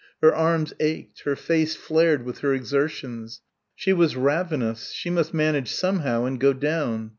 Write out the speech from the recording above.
Her arms ached; her face flared with her exertions. She was ravenous she must manage somehow and go down.